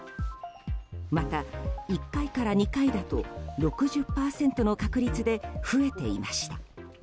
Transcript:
また、１回から２回だと６０％の確率で増えていました。